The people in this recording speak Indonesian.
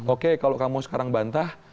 oke kalau kamu sekarang bantah